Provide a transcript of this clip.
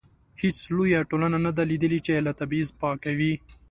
هیڅ لویه ټولنه نه ده لیدلې چې له تبعیض پاکه وي.